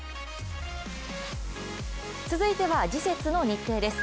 続いては、次節の日程です。